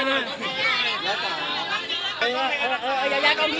ถ้าสนุกคนก็น่าจะดู